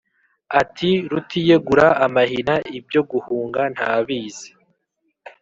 Ati: Rutiyegura amahina ibyo guhunga ntabizi!